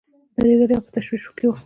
دردېدلي او په تشویش کې وي.